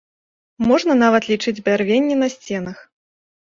Можна нават лічыць бярвенні на сценах.